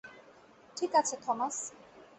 ঠিক আছে, থমাস।